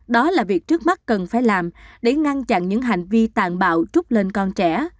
đó là việc trước mắt cần phải làm để ngăn chặn những hành vi tàn bạo trút lên con trẻ